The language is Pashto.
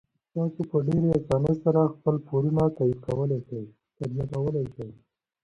تاسو په ډیرې اسانۍ سره خپل پورونه تادیه کولی شئ.